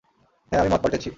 হ্যাঁ, আমি মত পাল্টেছি।